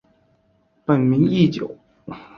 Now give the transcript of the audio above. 本名义久。